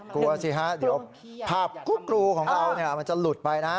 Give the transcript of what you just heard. กลัวสิฮะเดี๋ยวภาพกรูของเขาจะหลุดไปนะ